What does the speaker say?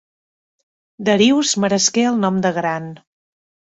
Darius meresqué el nom de gran.